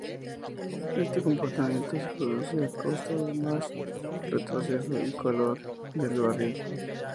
Este comportamiento se produce a costa de más retroceso y calor del barril.